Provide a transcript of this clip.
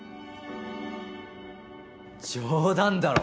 冗談だろ？